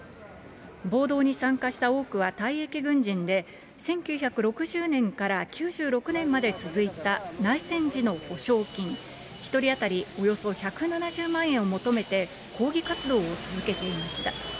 暴動に参加した多くは退役軍人で、１９６０年から９６年まで続いた内戦時の補償金、１人当たりおよそ１７０万円を求めて抗議活動を続けていました。